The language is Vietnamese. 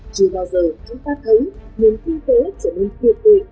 chưa bao giờ chúng ta thấy nguyên kinh tế trở nên tiệt tuệ